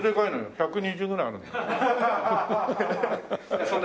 １２０ぐらいあるんだ。